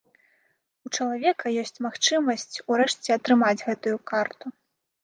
У чалавека ёсць магчымасць у рэшце атрымаць гэтую карту.